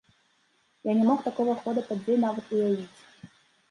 Я не мог такога хода падзей нават уявіць.